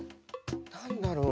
何だろう？